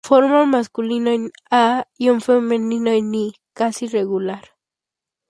Forma un masculino en "-a" y un femenino en "-i", casi regular.